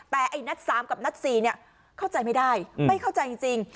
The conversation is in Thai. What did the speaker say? แต่ไอ้นัดสามกับนัดสี่เนี่ยเข้าใจไม่ได้ไม่เข้าใจจริง